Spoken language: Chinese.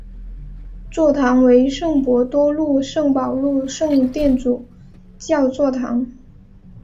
座堂为圣伯多禄圣保禄圣殿主教座堂。